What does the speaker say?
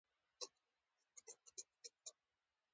چې موږ د شپو څوڼې څنډو